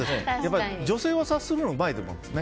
女性は察するのうまいと思うんですね。